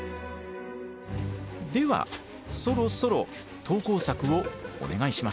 ではそろそろ投稿作をお願いします。